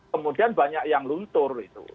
kemudian banyak yang luntur itu